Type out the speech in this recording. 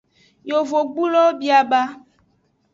Yovogbulowo bia ba.